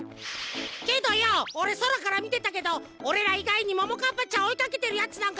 けどよオレそらからみてたけどオレらいがいにももかっぱちゃんをおいかけてるやつなんかいなかったぜ。